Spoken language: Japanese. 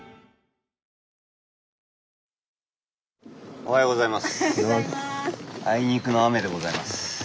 おはようございます。